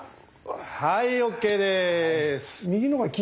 はいＯＫです。